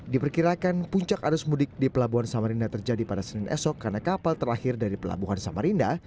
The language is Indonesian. diperkirakan puncak arus mudik di pelabuhan samarinda terjadi pada senin esok karena kapal terakhir dari pelabuhan samarinda